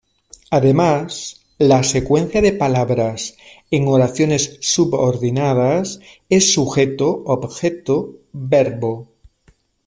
Además, la secuencia de palabras en oraciones subordinadas es Sujeto Objeto Verbo.